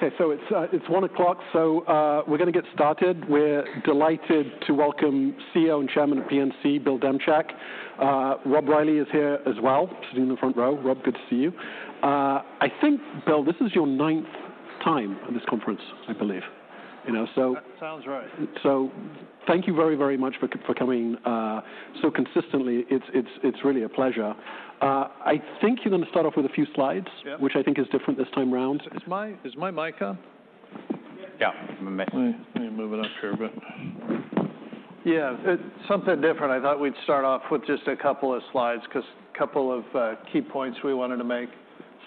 Okay, so it's 1:00 P.M., so we're going to get started. We're delighted to welcome CEO and Chairman of PNC, Bill Demchak. Rob Reilly is here as well, sitting in the front row. Rob, good to see you. I think, Bill, this is your ninth time at this conference, I believe. You know, so- That sounds right. So thank you very, very much for coming so consistently. It's really a pleasure. I think you're going to start off with a few slides- Yeah - which I think is different this time around. Is my mic on? Yeah. Let me move it up here a bit. Yeah, it's something different. I thought we'd start off with just a couple of key points we wanted to make.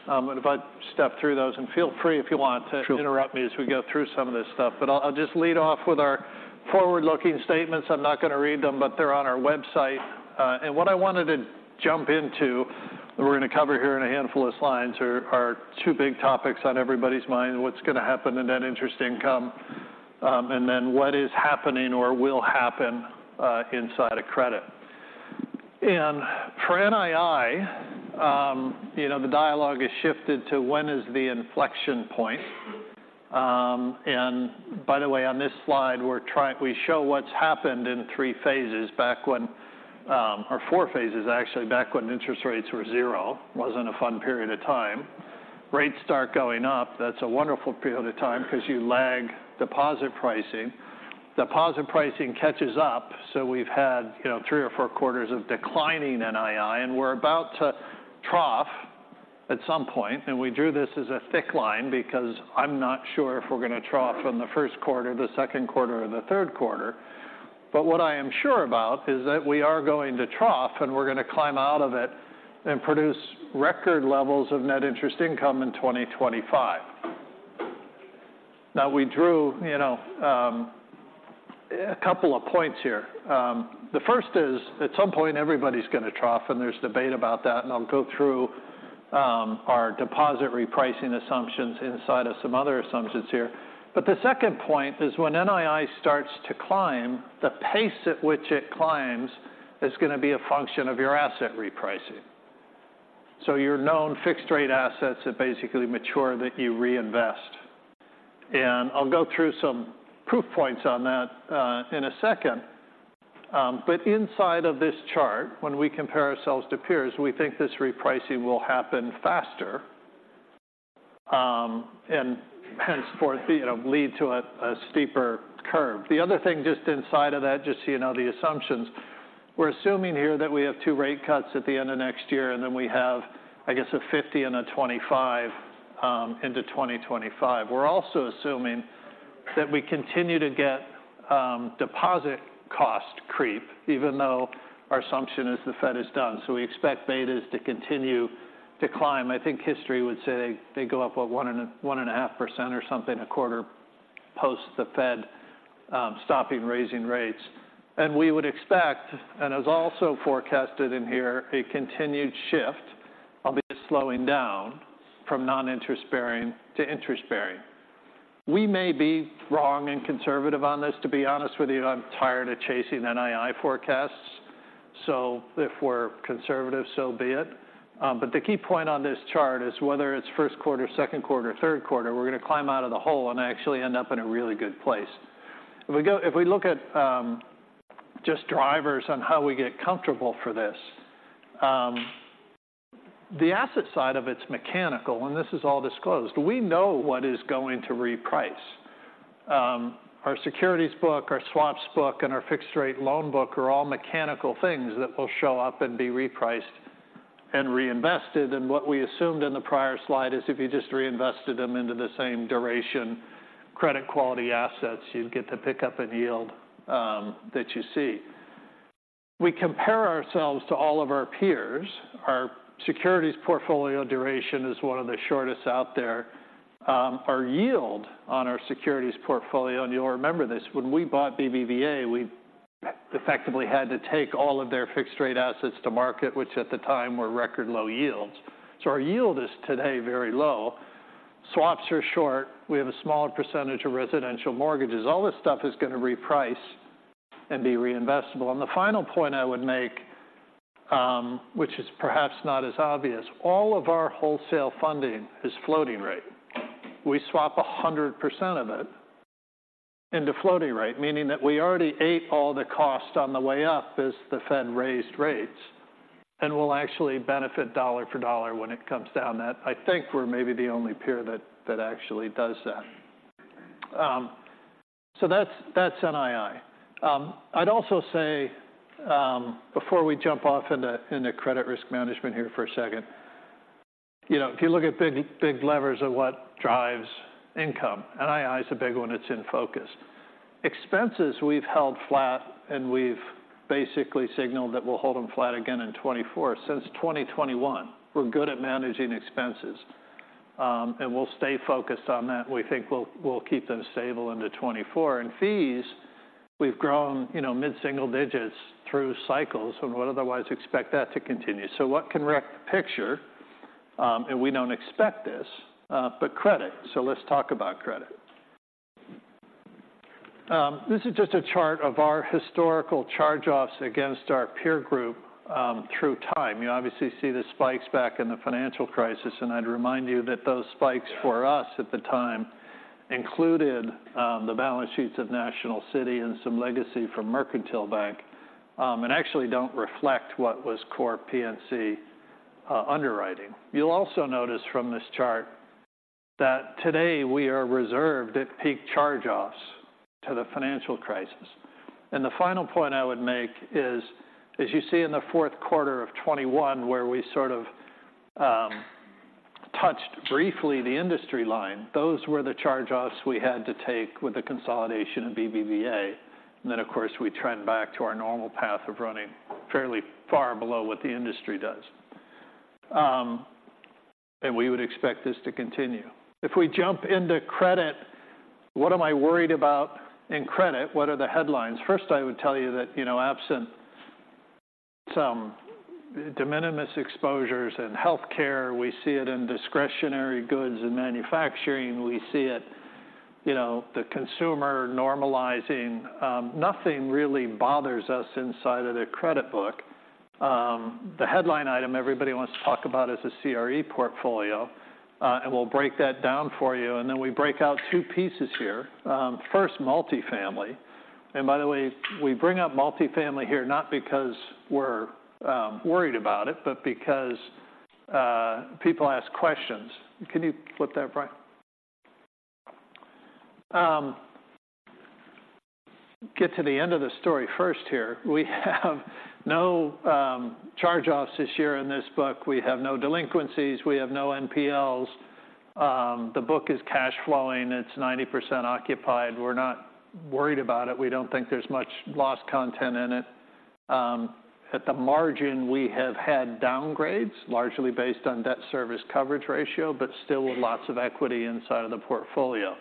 If I step through those, and feel free, if you want to- Sure... interrupt me as we go through some of this stuff. But I'll, I'll just lead off with our forward-looking statements. I'm not going to read them, but they're on our website. And what I wanted to jump into, we're going to cover here in a handful of slides, are, are two big topics on everybody's mind: What's going to happen in net interest income, and then what is happening or will happen inside of credit? And for NII, you know, the dialogue has shifted to when is the inflection point. And by the way, on this slide, we're trying- we show what's happened in three phases back when or four phases, actually, back when interest rates were zero. Wasn't a fun period of time. Rates start going up. That's a wonderful period of time because you lag deposit pricing. Deposit pricing catches up, so we've had, you know, three or four quarters of declining NII, and we're about to trough at some point, and we drew this as a thick line because I'm not sure if we're going to trough in the first quarter, the second quarter, or the third quarter. But what I am sure about is that we are going to trough, and we're going to climb out of it and produce record levels of net interest income in 2025. Now, we drew, you know, a couple of points here. The first is, at some point, everybody's going to trough, and there's debate about that, and I'll go through our deposit repricing assumptions inside of some other assumptions here. But the second point is when NII starts to climb, the pace at which it climbs is going to be a function of your asset repricing. So your known fixed-rate assets that basically mature, that you reinvest. And I'll go through some proof points on that in a second. But inside of this chart, when we compare ourselves to peers, we think this repricing will happen faster, and henceforth, you know, lead to a steeper curve. The other thing just inside of that, just so you know the assumptions, we're assuming here that we have two rate cuts at the end of next year, and then we have, I guess, a 50 and a 25 into 2025. We're also assuming that we continue to get deposit cost creep, even though our assumption is the Fed is done. So we expect betas to continue to climb. I think history would say they go up, what, 1.5% or something a quarter post the Fed stopping raising rates. And we would expect, and as also forecasted in here, a continued shift, albeit slowing down, from non-interest bearing to interest bearing. We may be wrong and conservative on this. To be honest with you, I'm tired of chasing NII forecasts, so if we're conservative, so be it. But the key point on this chart is whether it's first quarter, second quarter, third quarter, we're going to climb out of the hole and actually end up in a really good place. If we look at just drivers on how we get comfortable for this, the asset side of it's mechanical, and this is all disclosed. We know what is going to reprice. Our securities book, our swaps book, and our fixed-rate loan book are all mechanical things that will show up and be repriced and reinvested. And what we assumed in the prior slide is if you just reinvested them into the same duration, credit quality assets, you'd get the pickup in yield, that you see. We compare ourselves to all of our peers. Our securities portfolio duration is one of the shortest out there. Our yield on our securities portfolio, and you'll remember this, when we bought BBVA, we effectively had to take all of their fixed-rate assets to market, which at the time were record low yields. So our yield is today very low. Swaps are short. We have a smaller percentage of residential mortgages. All this stuff is going to reprice and be reinvestable. The final point I would make, which is perhaps not as obvious, all of our wholesale funding is floating rate. We swap 100% of it into floating rate, meaning that we already ate all the cost on the way up as the Fed raised rates and will actually benefit dollar for dollar when it comes down. That I think we're maybe the only peer that actually does that. So that's NII. I'd also say, before we jump off into credit risk management here for a second, you know, if you look at big, big levers of what drives income, NII is a big one that's in focus. Expenses, we've held flat, and we've basically signaled that we'll hold them flat again in 2024. Since 2021, we're good at managing expenses, and we'll stay focused on that. We think we'll keep them stable into 2024. And fees, we've grown, you know, mid-single digits through cycles and would otherwise expect that to continue. So what can wreck the picture? And we don't expect this, but credit. So let's talk about credit. This is just a chart of our historical charge-offs against our peer group through time. You obviously see the spikes back in the financial crisis, and I'd remind you that those spikes for us at the time included the balance sheets of National City and some legacy from Mercantile Bank, and actually don't reflect what was core PNC underwriting. You'll also notice from this chart that today we are reserved at peak charge-offs to the financial crisis. The final point I would make is, as you see in the fourth quarter of 2021, where we sort of touched briefly the industry line, those were the charge-offs we had to take with the consolidation of BBVA. And then, of course, we trend back to our normal path of running fairly far below what the industry does. And we would expect this to continue. If we jump into credit, what am I worried about in credit? What are the headlines? First, I would tell you that, you know, absent some de minimis exposures in healthcare, we see it in discretionary goods and manufacturing. We see it, you know, the consumer normalizing. Nothing really bothers us inside of the credit book. The headline item everybody wants to talk about is the CRE portfolio, and we'll break that down for you, and then we break out two pieces here. First, multifamily. And by the way, we bring up multifamily here not because we're worried about it, but because people ask questions. Can you flip that, Frank? Get to the end of the story first here. We have no charge-offs this year in this book. We have no delinquencies. We have no NPLs. The book is cash flowing. It's 90% occupied. We're not worried about it. We don't think there's much loss content in it. At the margin, we have had downgrades, largely based on debt service coverage ratio, but still with lots of equity inside of the portfolio.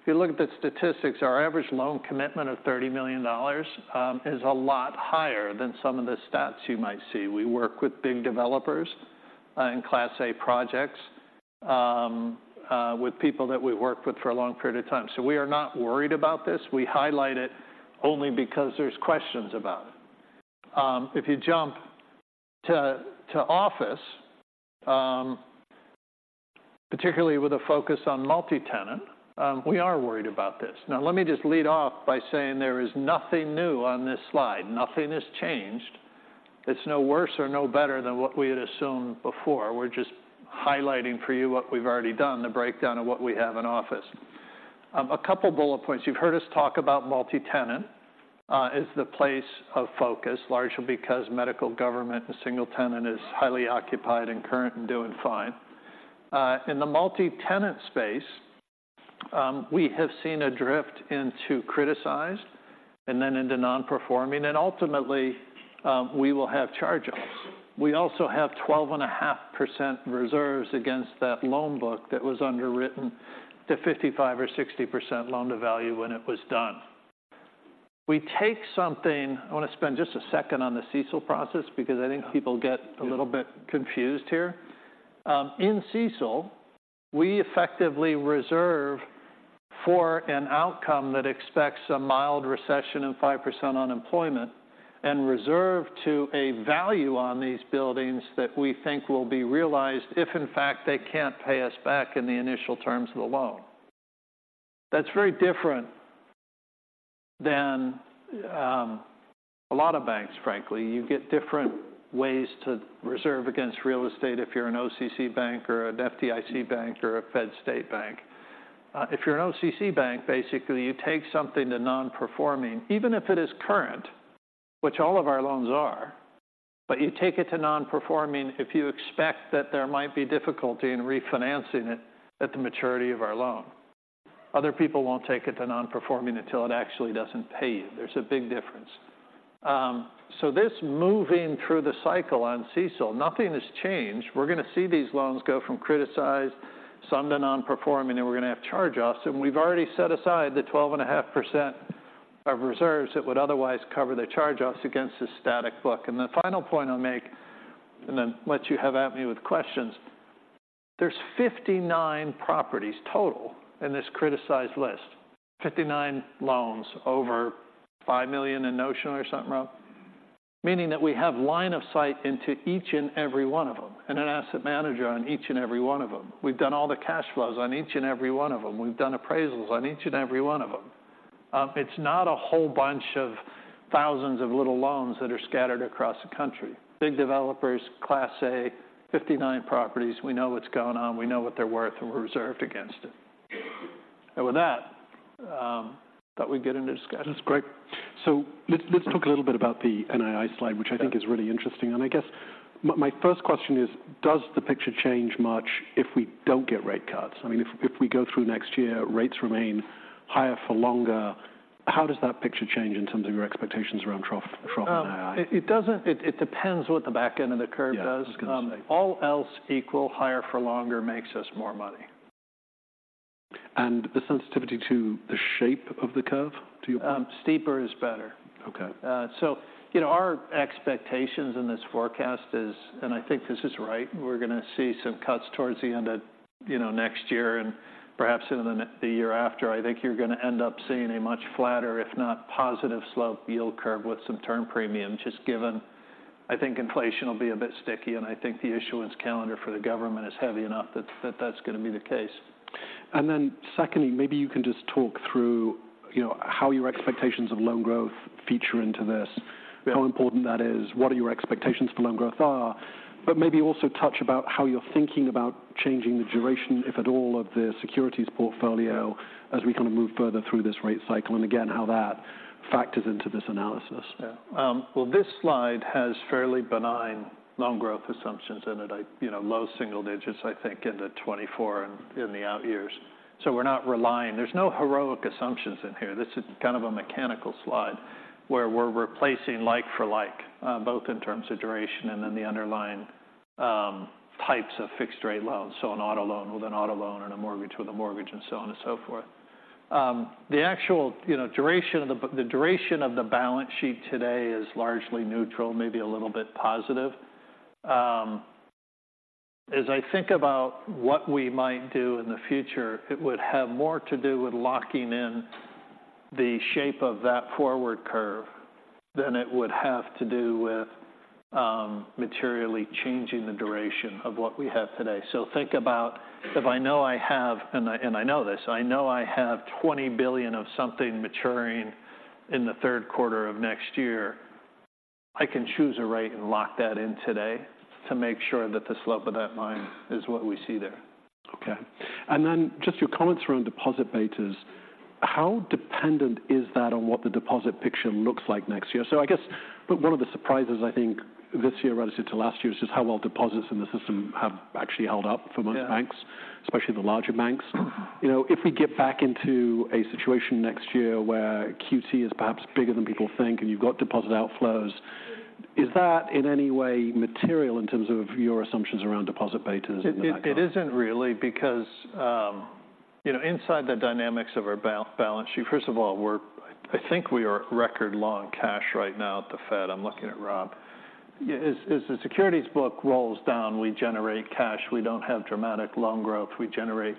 If you look at the statistics, our average loan commitment of $30 million is a lot higher than some of the stats you might see. We work with big developers in Class A projects with people that we work with for a long period of time. So we are not worried about this. We highlight it only because there's questions about it. If you jump to office, particularly with a focus on multi-tenant, we are worried about this. Now, let me just lead off by saying there is nothing new on this slide. Nothing has changed. It's no worse or no better than what we had assumed before. We're just highlighting for you what we've already done, the breakdown of what we have in office. A couple bullet points. You've heard us talk about multi-tenant is the place of focus, largely because medical, government, and single tenant is highly occupied and current and doing fine. In the multi-tenant space, we have seen a drift into criticized and then into non-performing, and ultimately, we will have charge-offs. We also have 12.5% reserves against that loan book that was underwritten to 55%-60% loan-to-value when it was done. We take something. I want to spend just a second on the CECL process because I think people get a little bit confused here. In CECL, we effectively reserve for an outcome that expects a mild recession and 5% unemployment, and reserve to a value on these buildings that we think will be realized if, in fact, they can't pay us back in the initial terms of the loan. That's very different than a lot of banks, frankly. You get different ways to reserve against real estate if you're an OCC bank or an FDIC bank or a Fed state bank. If you're an OCC bank, basically, you take something to non-performing, even if it is current, which all of our loans are, but you take it to non-performing if you expect that there might be difficulty in refinancing it at the maturity of our loan. Other people won't take it to non-performing until it actually doesn't pay you. There's a big difference. So this moving through the cycleon CECL, nothing has changed. We're going to see these loans go from criticized, some to non-performing, and we're going to have charge-offs, and we've already set aside the 12.5% of reserves that would otherwise cover the charge-offs against the static book. The final point I'll make, and then let you have at me with questions. There's 59 properties total in this criticized list, 59 loans over $5 million in notional or something, Rob? Meaning that we have line of sight into each and every one of them, and an asset manager on each and every one of them. We've done all the cash flows on each and every one of them. We've done appraisals on each and every one of them. It's not a whole bunch of thousands of little loans that are scattered across the country. Big developers, Class A, 59 properties. We know what's going on. We know what they're worth, and we're reserved against it. With that, I thought we'd get into discussion. That's great. So let's, let's talk a little bit about the NII slide- Yeah... which I think is really interesting. I guess my first question is, does the picture change much if we don't get rate cuts? I mean, if we go through next year, rates remain higher for longer, how does that picture change in terms of your expectations around trough NII? It doesn't. It depends what the back end of the curve does. Yeah, I was going to say. All else equal, higher for longer makes us more money. And the sensitivity to the shape of the curve, do you- Steeper is better. Okay. So, you know, our expectations in this forecast is, and I think this is right, we're going to see some cuts towards the end of, you know, next year and perhaps in the year after. I think you're going to end up seeing a much flatter, if not positive slope yield curve with some term premium, just I think inflation will be a bit sticky, and I think the issuance calendar for the government is heavy enough that, that's gonna be the case. And then secondly, maybe you can just talk through, you know, how your expectations of loan growth feature into this. Yeah. How important that is? What are your expectations for loan growth? But maybe also touch about how you're thinking about changing the duration, if at all, of the securities portfolio as we kind of move further through this rate cycle, and again, how that factors into this analysis. Yeah, well, this slide has fairly benign loan growth assumptions in it. I, you know, low single digits, I think, into 2024 in the out years. So we're not relying. There's no heroic assumptions in here. This is kind of a mechanical slide, where we're replacing like for like, both in terms of duration and then the underlying, types of fixed rate loans. So an auto loan with an auto loan and a mortgage with a mortgage, and so on and so forth. The actual, you know, duration of the balance sheet today is largely neutral, maybe a little bit positive. As I think about what we might do in the future, it would have more to do with locking in the shape of that forward curve than it would have to do with materially changing the duration of what we have today. So think about if I know I have, and I know this, I know I have $20 billion of something maturing in the third quarter of next year. I can choose a rate and lock that in today to make sure that the slope of that line is what we see there. Okay. And then just your comments around deposit betas. How dependent is that on what the deposit picture looks like next year? So I guess one of the surprises, I think this year relative to last year, is just how well deposits in the system have actually held up for most- Yeah banks, especially the larger banks. Mm-hmm. You know, if we get back into a situation next year where QT is perhaps bigger than people think, and you've got deposit outflows, is that in any way material in terms of your assumptions around deposit betas in the background? It isn't really, because, you know, inside the dynamics of our balance sheet, first of all, we're. I think we are at record low in cash right now at the Fed. I'm looking at Rob. As the securities book rolls down, we generate cash. We don't have dramatic loan growth, we generate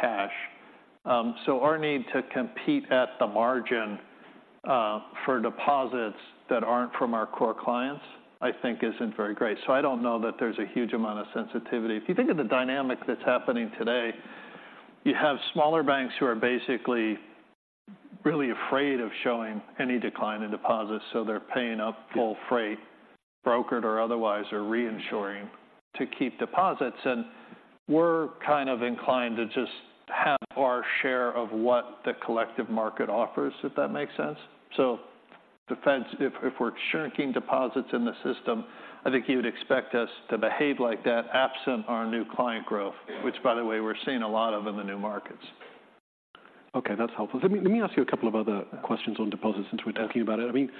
cash. So our need to compete at the margin, for deposits that aren't from our core clients, I think isn't very great. So I don't know that there's a huge amount of sensitivity. If you think of the dynamic that's happening today, you have smaller banks who are basically really afraid of showing any decline in deposits, so they're paying up- Yeah... full freight, brokered or otherwise, or reinsuring to keep deposits. And we're kind of inclined to just have our share of what the collective market offers, if that makes sense. So the Fed's, if we're shrinking deposits in the system, I think you'd expect us to behave like that absent our new client growth, which, by the way, we're seeing a lot of in the new markets. Okay, that's helpful. Let me ask you a couple of other questions on deposits since we're talking about it.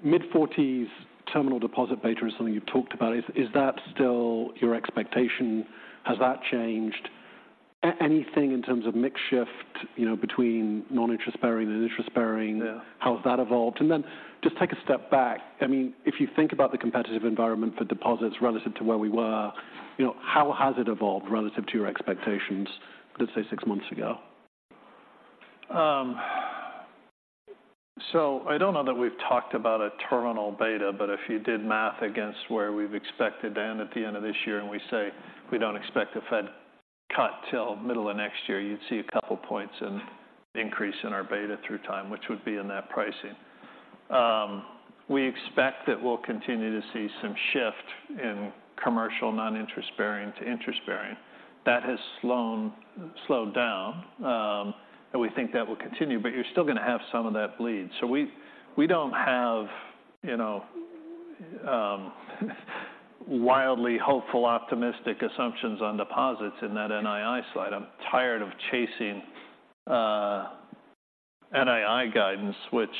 I mean, mid-forties terminal deposit beta is something you've talked about. Is that still your expectation? Has that changed? Anything in terms of mix shift, you know, between non-interest-bearing and interest-bearing? Yeah. How has that evolved? And then just take a step back. I mean, if you think about the competitive environment for deposits relative to where we were, you know, how has it evolved relative to your expectations, let's say, six months ago? So I don't know that we've talked about a terminal beta, but if you did math against where we've expected to end at the end of this year, and we say we don't expect a Fed cut till middle of next year, you'd see a couple points in increase in our beta through time, which would be in that pricing. We expect that we'll continue to see some shift in commercial non-interest bearing to interest bearing. That has slowed, slowed down, and we think that will continue, but you're still gonna have some of that bleed. So we, we don't have, you know, wildly hopeful, optimistic assumptions on deposits in that NII slide. I'm tired of chasing, NII guidance, which,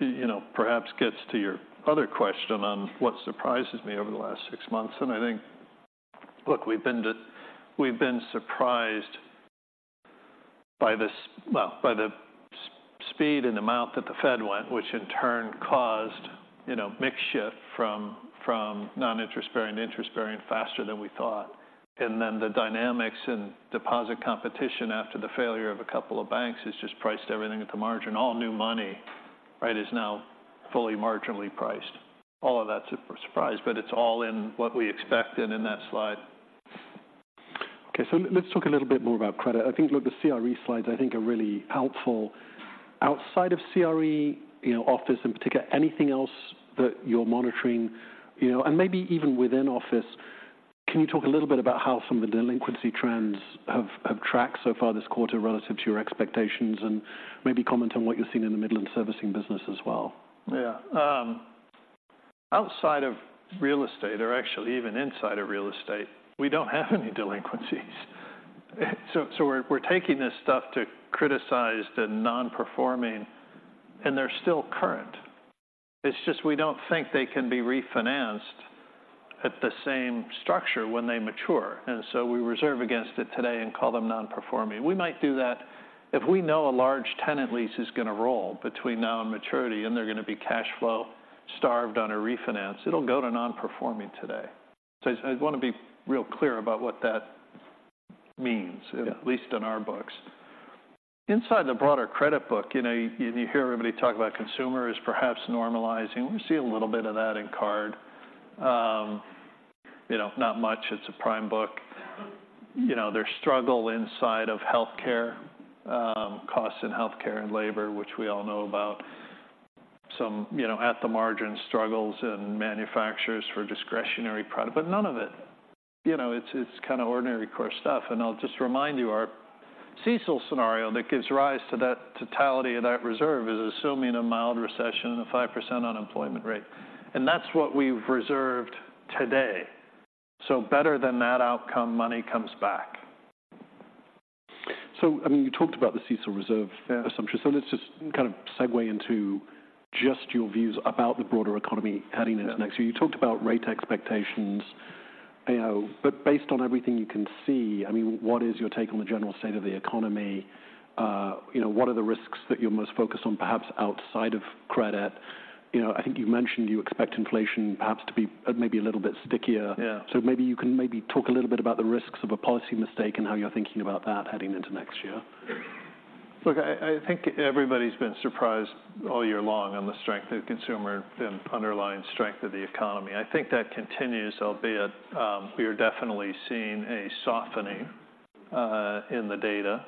you know, perhaps gets to your other question on what surprises me over the last six months. And I think... Look, we've been surprised by the speed and amount that the Fed went, which in turn caused, you know, mix shift from non-interest bearing to interest bearing faster than we thought. And then the dynamics in deposit competition after the failure of a couple of banks has just priced everything at the margin. All new money, right, is now fully marginally priced. All of that's a surprise, but it's all in what we expected in that slide. Okay, so let's talk a little bit more about credit. I think, look, the CRE slides, I think, are really helpful. Outside of CRE, you know, office in particular, anything else that you're monitoring, you know, and maybe even within office, can you talk a little bit about how some of the delinquency trends have tracked so far this quarter relative to your expectations, and maybe comment on what you're seeing in the middle and servicing business as well? Yeah. Outside of real estate, or actually even inside of real estate, we don't have any delinquencies. So we're taking this stuff to criticize the non-performing, and they're still current. It's just we don't think they can be refinanced at the same structure when they mature, and so we reserve against it today and call them non-performing. We might do that if we know a large tenant lease is gonna roll between now and maturity, and they're gonna be cash flow starved on a refinance; it'll go to non-performing today. So I want to be real clear about what that means. Yeah. At least in our books. Inside the broader credit book, you know, you, you hear everybody talk about consumer is perhaps normalizing. We see a little bit of that in card. You know, not much. It's a prime book. You know, there's struggle inside of healthcare, costs in healthcare and labor, which we all know about. Some, you know, at the margin, struggles in manufacturers for discretionary product, but none of it... You know, it's, it's kind of ordinary course stuff, and I'll just remind you, our CECL scenario that gives rise to that totality of that reserve is assuming a mild recession and a 5% unemployment rate, and that's what we've reserved today. So better than that outcome, money comes back. I mean, you talked about the CECL reserve- Yeah Assumption, so let's just kind of segue into just your views about the broader economy heading into next year. Yeah. You talked about rate expectations, you know, but based on everything you can see, I mean, what is your take on the general state of the economy? You know, what are the risks that you're most focused on, perhaps outside of credit? You know, I think you've mentioned you expect inflation perhaps to be, maybe a little bit stickier. Yeah. Maybe you can maybe talk a little bit about the risks of a policy mistake and how you're thinking about that heading into next year? Look, I think everybody's been surprised all year long on the strength of consumer and underlying strength of the economy. I think that continues, albeit, we are definitely seeing a softening in the data.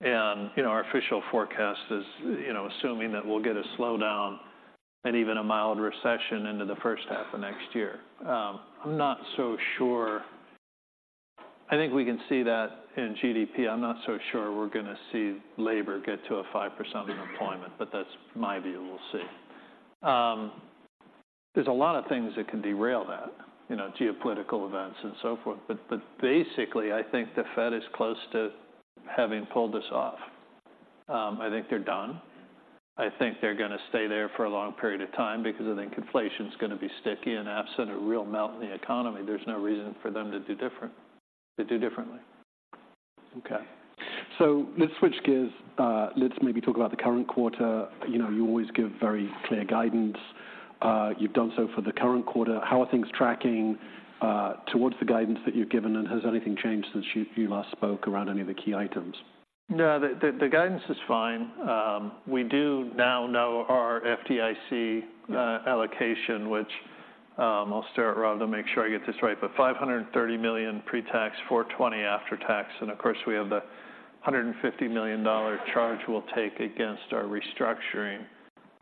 And, you know, our official forecast is, you know, assuming that we'll get a slowdown and even a mild recession into the first half of next year. I'm not so sure. I think we can see that in GDP. I'm not so sure we're gonna see labor get to a 5% unemployment, but that's my view. We'll see. There's a lot of things that can derail that, you know, geopolitical events and so forth, but, but basically, I think the Fed is close to having pulled this off. I think they're done. I think they're gonna stay there for a long period of time because I think inflation's gonna be sticky, and absent a real melt in the economy, there's no reason for them to do different, to do differently. Okay. So let's switch gears. Let's maybe talk about the current quarter. You know, you always give very clear guidance. You've done so for the current quarter. How are things tracking towards the guidance that you've given, and has anything changed since you last spoke around any of the key items? No, the guidance is fine. We do now know our FDIC allocation- Yeah... which, I'll start rather to make sure I get this right, but $530 million pre-tax, $420 million after tax, and of course, we have the $150 million charge we'll take against our restructuring,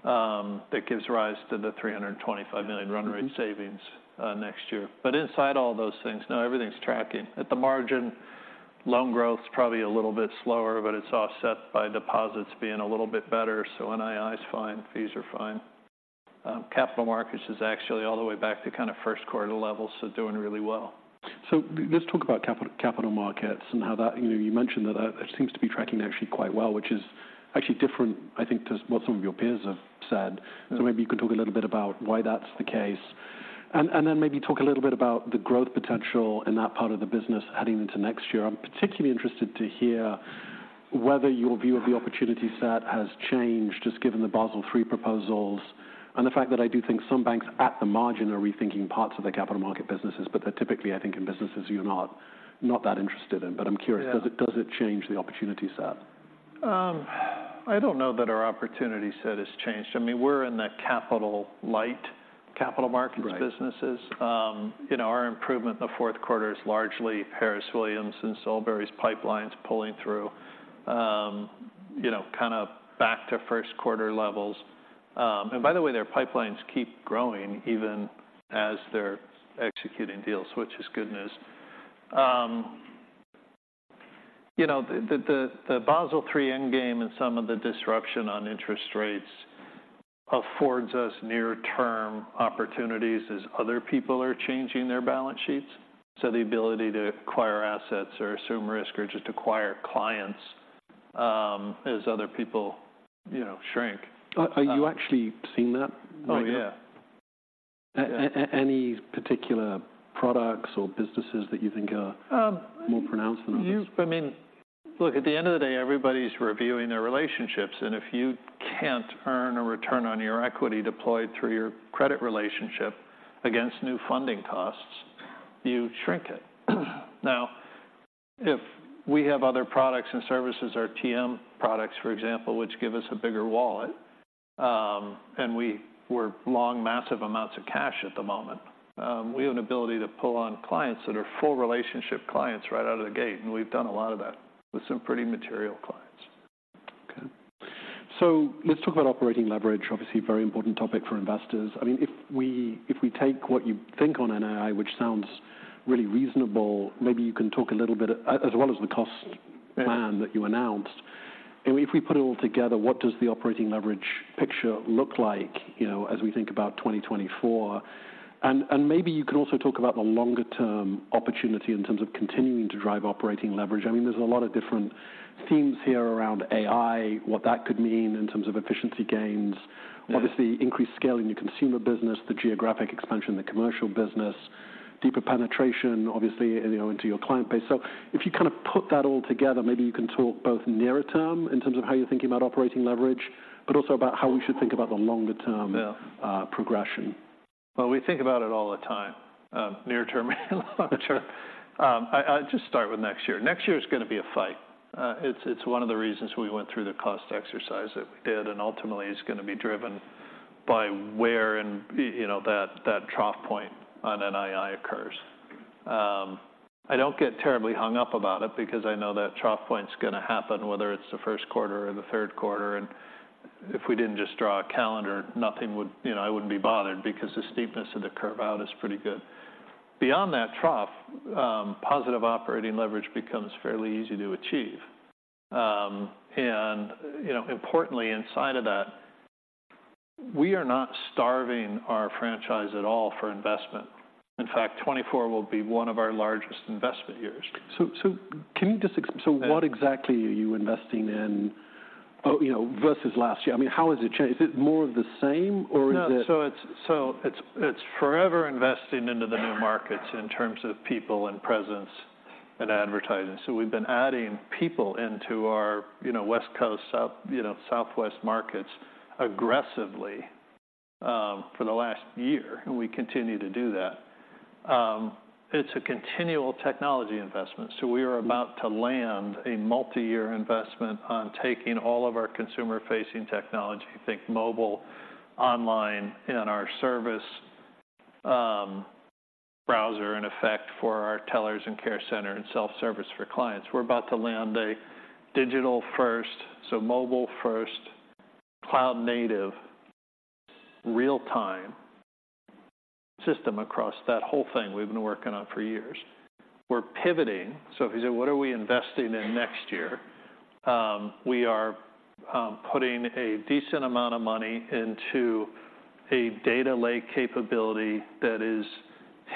that gives rise to the $325 million run rate- Mm-hmm... savings next year. But inside all those things, no, everything's tracking. At the margin, loan growth's probably a little bit slower, but it's offset by deposits being a little bit better, so NII is fine. Fees are fine. Capital markets is actually all the way back to kind of first quarter levels, so doing really well. So let's talk about capital, capital markets and how that... You know, you mentioned that, it seems to be tracking actually quite well, which is actually different, I think, to what some of your peers have said. Yeah. So maybe you can talk a little bit about why that's the case, and, and then maybe talk a little bit about the growth potential in that part of the business heading into next year. I'm particularly interested to hear whether your view of the opportunity set has changed, just given the Basel III proposals and the fact that I do think some banks at the margin are rethinking parts of their capital market businesses, but they're typically, I think, in businesses you're not, not that interested in. But I'm curious- Yeah... does it, does it change the opportunity set? I don't know that our opportunity set has changed. I mean, we're in the capital light, capital markets businesses. Right. You know, our improvement in the fourth quarter is largely Harris Williams and Solebury's pipelines pulling through, you know, kind of back to first quarter levels. By the way, their pipelines keep growing even as they're executing deals, which is good news. You know, the Basel III Endgame and some of the disruption on interest rates affords us near-term opportunities as other people are changing their balance sheets, so the ability to acquire assets or assume risk or just acquire clients, as other people, you know, shrink. Are you actually seeing that right now? Oh, yeah. Any particular products or businesses that you think are- Um, you- - more pronounced than others? I mean, look, at the end of the day, everybody's reviewing their relationships, and if you can't earn a return on your equity deployed through your credit relationship against new funding costs, you shrink it. Now, if we have other products and services, our TM products, for example, which give us a bigger wallet, and we're long massive amounts of cash at the moment, we have an ability to pull on clients that are full relationship clients right out of the gate, and we've done a lot of that with some pretty material clients. Okay. So let's talk about operating leverage, obviously a very important topic for investors. I mean, if we, if we take what you think on NII, which sounds really reasonable, maybe you can talk a little bit, as well as the cost plan- Yeah... that you announced. I mean, if we put it all together, what does the operating leverage picture look like, you know, as we think about 2024? And, and maybe you can also talk about the longer-term opportunity in terms of continuing to drive operating leverage. I mean, there's a lot of different themes here around AI, what that could mean in terms of efficiency gains. Yeah. Obviously, increased scale in your consumer business, the geographic expansion, the commercial business... deeper penetration, obviously, you know, into your client base. So if you kind of put that all together, maybe you can talk both nearer term, in terms of how you're thinking about operating leverage, but also about how we should think about the longer term- Yeah -uh, progression. Well, we think about it all the time, near term and long term. I'll just start with next year. Next year is gonna be a fight. It's one of the reasons we went through the cost exercise that we did, and ultimately is gonna be driven by where and you know, that trough point on NII occurs. I don't get terribly hung up about it because I know that trough point's gonna happen, whether it's the first quarter or the third quarter, and if we didn't just draw a calendar, nothing would... You know, I wouldn't be bothered because the steepness of the curve out is pretty good. Beyond that trough, positive operating leverage becomes fairly easy to achieve. And you know, importantly inside of that, we are not starving our franchise at all for investment. In fact, 2024 will be one of our largest investment years. So, can you just ex- Yeah. So what exactly are you investing in, oh, you know, versus last year? I mean, how has it changed? Is it more of the same, or is it? No. So it's forever investing into the new markets in terms of people and presence and advertising. So we've been adding people into our, you know, West Coast, South, you know, Southwest markets aggressively for the last year, and we continue to do that. It's a continual technology investment, so we are about to land a multi-year investment on taking all of our consumer-facing technology, think mobile, online, and our Service Browser in effect for our tellers and care center and self-service for clients. We're about to land a digital-first, so mobile-first, cloud-native, real-time system across that whole thing we've been working on for years. We're pivoting. So if you say, what are we investing in next year? We are putting a decent amount of money into a data lake capability that is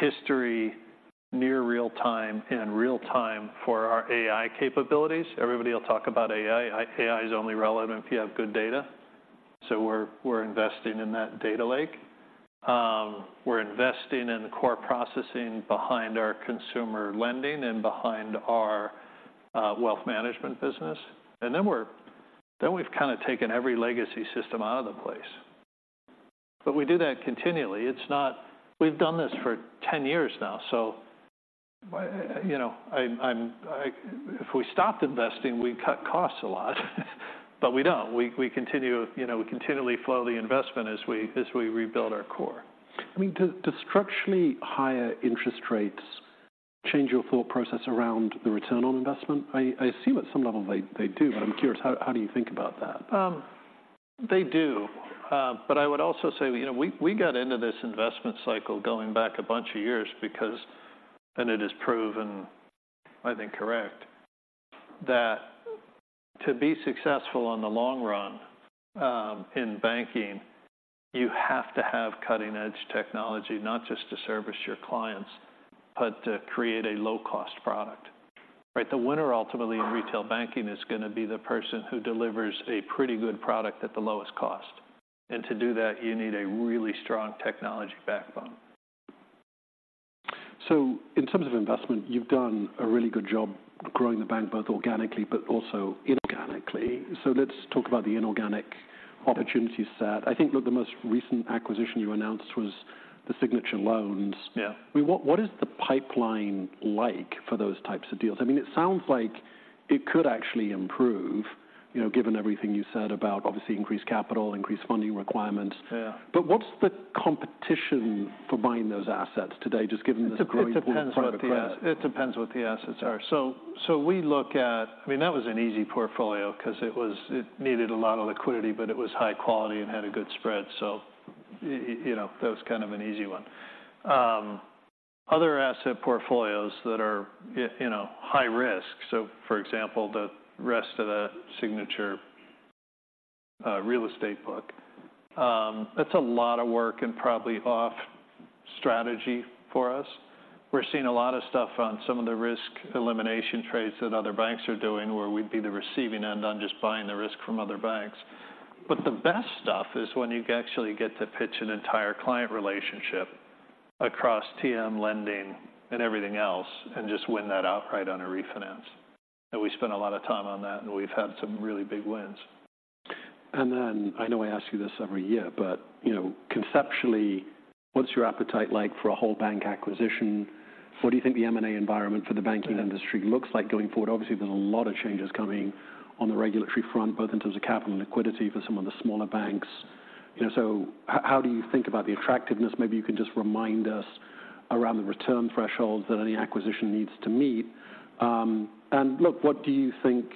historical, near real time and real time for our AI capabilities. Everybody will talk about AI. AI is only relevant if you have good data, so we're investing in that data lake. We're investing in the core processing behind our consumer lending and behind our wealth management business. And then we've kind of taken every legacy system out of the place. But we do that continually. It's not. We've done this for 10 years now, so you know, if we stopped investing, we'd cut costs a lot, but we don't. We continue, you know, we continually flow the investment as we rebuild our core. I mean, do structurally higher interest rates change your thought process around the return on investment? I assume at some level they do, but I'm curious, how do you think about that? They do. But I would also say, you know, we, we got into this investment cycle going back a bunch of years because, and it has proven, I think, correct, that to be successful in the long run, in banking, you have to have cutting-edge technology, not just to service your clients, but to create a low-cost product, right? The winner ultimately in retail banking is gonna be the person who delivers a pretty good product at the lowest cost. And to do that, you need a really strong technology backbone. So in terms of investment, you've done a really good job growing the bank, both organically but also inorganically. So let's talk about the inorganic opportunity set. I think, look, the most recent acquisition you announced was the Signature loans. Yeah. What is the pipeline like for those types of deals? I mean, it sounds like it could actually improve, you know, given everything you said about obviously increased capital, increased funding requirements. Yeah. But what's the competition for buying those assets today, just given this growing pool of private credit? It depends what the assets are. So we look at... I mean, that was an easy portfolio 'cause it was, it needed a lot of liquidity, but it was high quality and had a good spread, so you know, that was kind of an easy one. Other asset portfolios that are you know, high risk, so for example, the rest of the Signature real estate book, that's a lot of work and probably off strategy for us. We're seeing a lot of stuff on some of the risk elimination trades that other banks are doing, where we'd be the receiving end on just buying the risk from other banks. But the best stuff is when you actually get to pitch an entire client relationship across TM lending and everything else, and just win that outright on a refinance. We spend a lot of time on that, and we've had some really big wins. And then, I know I ask you this every year, but you know, conceptually, what's your appetite like for a whole bank acquisition? What do you think the M&A environment for the banking industry- Yeah Looks like going forward? Obviously, there's a lot of changes coming on the regulatory front, both in terms of capital and liquidity for some of the smaller banks. You know, so how do you think about the attractiveness? Maybe you can just remind us around the return threshold that any acquisition needs to meet. And look, what do you think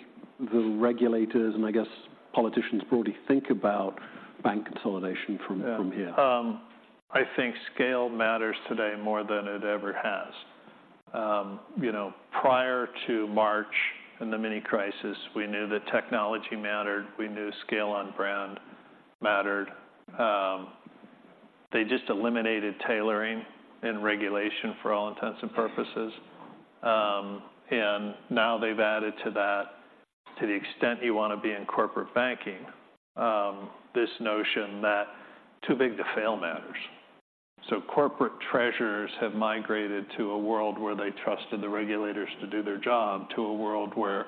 the regulators, and I guess politicians broadly, think about bank consolidation from here? Yeah. I think scale matters today more than it ever has. You know, prior to March and the mini crisis, we knew that technology mattered, we knew scale on brand mattered. They just eliminated tailoring and regulation for all intents and purposes. And now they've added to that. To the extent you want to be in corporate banking, this notion that too big to fail matters. So corporate treasurers have migrated to a world where they trusted the regulators to do their job, to a world where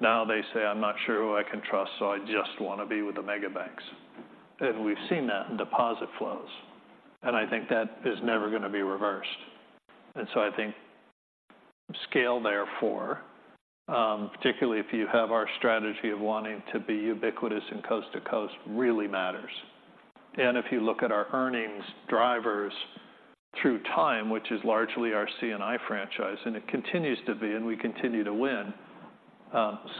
now they say, "I'm not sure who I can trust, so I just want to be with the mega banks." And we've seen that in deposit flows, and I think that is never going to be reversed. And so I think scale therefore, particularly if you have our strategy of wanting to be ubiquitous and coast to coast, really matters. And if you look at our earnings drivers through time, which is largely our C&I franchise, and it continues to be, and we continue to win,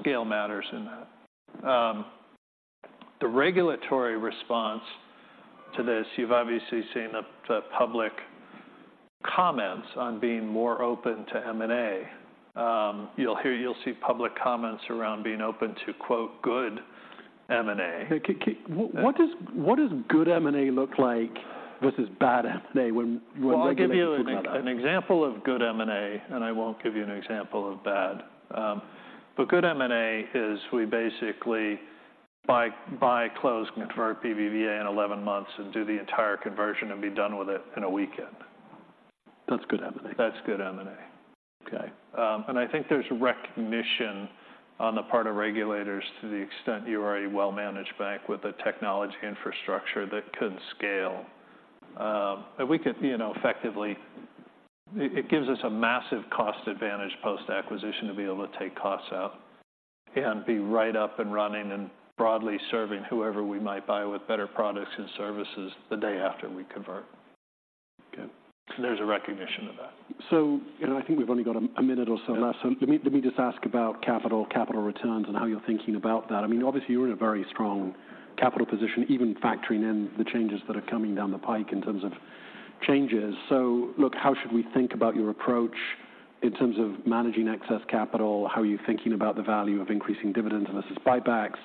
scale matters in that. The regulatory response to this, you've obviously seen the, the public comments on being more open to M&A. You'll hear, you'll see public comments around being open to quote, "good M&A. Okay, what does good M&A look like versus bad M&A when, when- Well, I'll give you an example of good M&A, and I won't give you an example of bad. But good M&A is we basically buy closed for BBVA in 11 months and do the entire conversion and be done with it in a weekend. That's good M&A? That's good M&A. Okay. And I think there's recognition on the part of regulators to the extent you are a well-managed bank with a technology infrastructure that could scale. And we could, you know, effectively... It gives us a massive cost advantage post-acquisition, to be able to take costs out and be right up and running and broadly serving whoever we might buy with better products and services the day after we convert. Okay. So there's a recognition of that. So, I think we've only got a minute or so left. Yeah. Let me just ask about capital, capital returns, and how you're thinking about that. I mean, obviously, you're in a very strong capital position, even factoring in the changes that are coming down the pike in terms of changes. Look, how should we think about your approach in terms of managing excess capital? How are you thinking about the value of increasing dividends versus buybacks?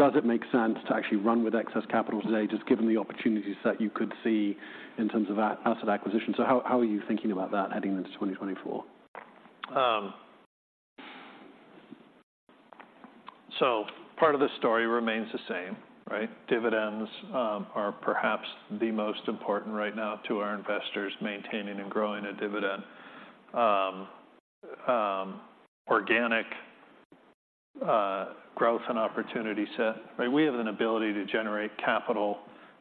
Does it make sense to actually run with excess capital today, just given the opportunities that you could see in terms of asset acquisition? How are you thinking about that heading into 2024? So part of the story remains the same, right? Dividends are perhaps the most important right now to our investors, maintaining and growing a dividend. Organic growth and opportunity set, right? We have an ability to generate capital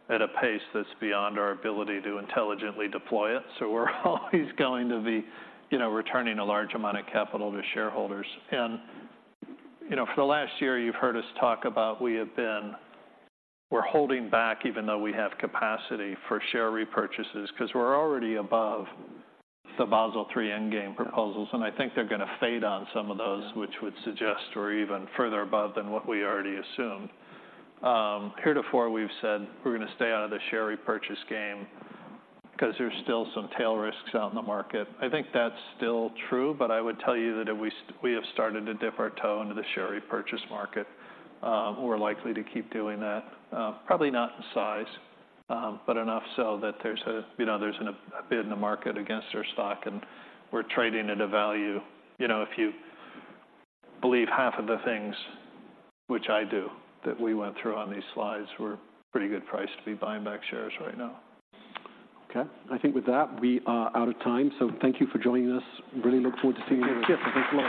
at a pace that's beyond our ability to intelligently deploy it. So we're always going to be, you know, returning a large amount of capital to shareholders. And, you know, for the last year, you've heard us talk about we have been- we're holding back even though we have capacity for share repurchases, because we're already above the Basel III endgame proposals. Yeah. And I think they're going to fade on some of those- Yeah... which would suggest we're even further above than what we already assumed. Heretofore, we've said we're going to stay out of the share repurchase game because there's still some tail risks out in the market. I think that's still true, but I would tell you that we have started to dip our toe into the share repurchase market. We're likely to keep doing that, probably not in size, but enough so that there's a, you know, there's an a bid in the market against our stock, and we're trading at a value. You know, if you believe half of the things, which I do, that we went through on these slides, we're pretty good price to be buying back shares right now. Okay. I think with that, we are out of time, so thank you for joining us. Really look forward to seeing you. Thank you a lot.